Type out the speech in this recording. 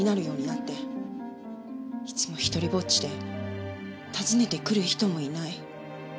いつも一人ぼっちで訪ねてくる人もいない。